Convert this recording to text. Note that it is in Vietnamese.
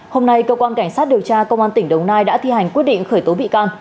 hôm nay cơ quan cảnh sát điều tra công an tỉnh đồng nai đã thi hành quyết định khởi tố bị can